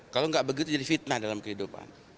kalau nggak begitu jadi fitnah dalam kehidupan